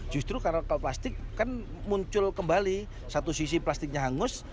justru karena kalau plastik kan muncul kembali satu sisi plastiknya hangus